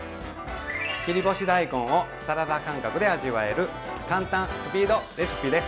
切り干し大根をサラダ感覚で味わえる簡単・スピードレシピです。